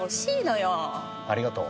ありがとう。